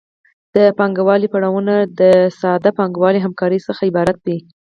د پانګوالي پړاوونه له ساده پانګوالي همکارۍ څخه عبارت دي